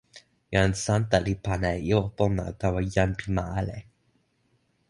jan Santa li pana e ijo pona tawa jan pi ma ale.